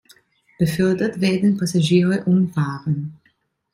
Befördert werden Passagiere und Waren.